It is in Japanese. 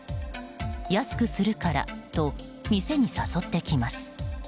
安くするからと店に誘ってきます。